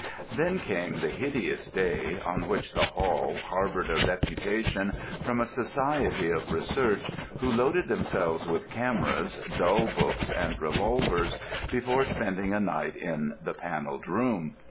Then came the hideous day on which the Hall harboured a deputation from a Society of Research, who loaded themselves with cameras, dull books, and revolvers, before spending a night in the Panelled Room.